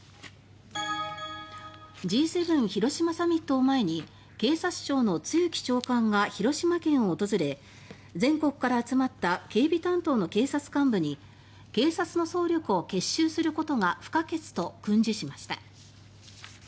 Ｇ７広島サミットを前に警察庁の露木長官が広島県を訪れ全国から集まった警備担当の警察幹部に「警察の総力を結集することが不可欠」と訓示しました。